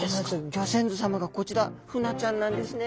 ギョ先祖様がこちらフナちゃんなんですね。